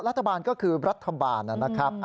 รัฐบาลก็คือรัฐบาลนะครับ